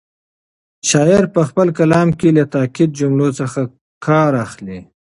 شاعر په خپل کلام کې له تاکېدي جملو څخه کار اخلي.